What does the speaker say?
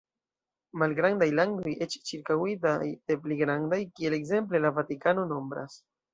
Malgrandaj landoj, eĉ ĉirkaŭitaj de pli grandaj, kiel ekzemple la Vatikano, nombras.